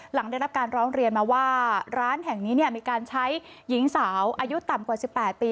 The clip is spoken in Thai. หลังได้รับการร้องเรียนมาว่าร้านแห่งนี้มีการใช้หญิงสาวอายุต่ำกว่า๑๘ปี